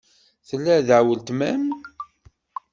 Tella da weltma-m?